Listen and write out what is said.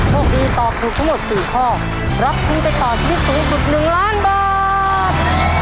โชคดีตอบถูกทั้งหมด๔ข้อรับทุนไปต่อชีวิตสูงสุด๑ล้านบาท